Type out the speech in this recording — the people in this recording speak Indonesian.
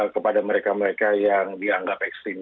kepada mereka mereka yang dianggap ekstrim